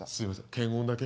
検温だけ。